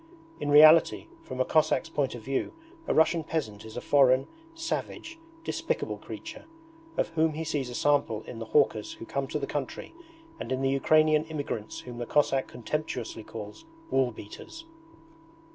In reality, from a Cossack's point of view a Russian peasant is a foreign, savage, despicable creature, of whom he sees a sample in the hawkers who come to the country and in the Ukrainian immigrants whom the Cossack contemptuously calls 'woolbeaters'.